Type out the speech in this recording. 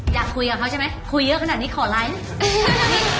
อยากคุยกับเขาใช่ไหมคุยเยอะขนาดนี้ขอไลค์